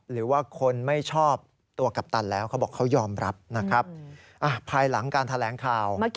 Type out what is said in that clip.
หรือว่าคนไม่ชอบตัวกัปตันแล้วเขาบอกเขายอมรับนะครับ